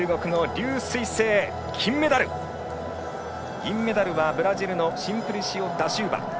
銀メダルはブラジルのシンプリシオダシウバ。